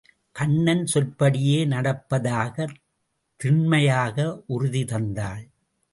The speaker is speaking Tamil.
கண்ணன் சொற்படியே நடப்பதாகத் திண்மையாக உறுதி தந்தாள்.